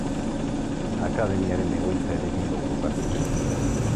Akademiaren egoitza ere Bilbon kokatu zen.